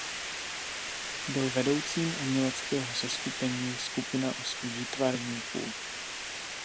Byl vedoucím uměleckého seskupení Skupina osmi výtvarníků.